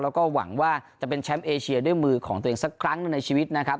แล้วก็หวังว่าจะเป็นแชมป์เอเชียด้วยมือของตัวเองสักครั้งหนึ่งในชีวิตนะครับ